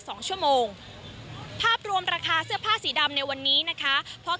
สองชั่วโมงภาพรวมราคาเสื้อผ้าสีดำในวันนี้นะคะเพราะ